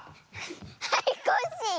はいコッシー。